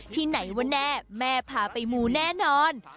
ที่ไหนวะแน่แม่พาไปมูแน่นอน